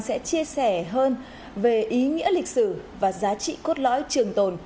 sẽ chia sẻ hơn về ý nghĩa lịch sử và giá trị cốt lõi trường tồn